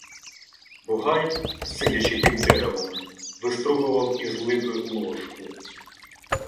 Бугай, сидячи піддеревом, вистругував із липи ложку.